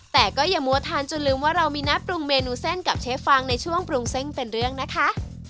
แต่ก็อย่ามัวทานจนลืมว่าเรามีนัดปรุงเมนูเส้นกับเชฟฟังในช่วงปรุงเส้นเป็นเรื่องนะคะ